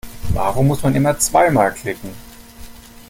Warum muss man immer zweimal klicken?